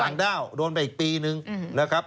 ด้าวโดนไปอีกปีนึงนะครับ